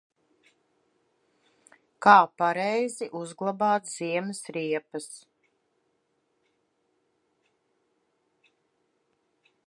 Kā pareizi uzglabāt ziemas riepas?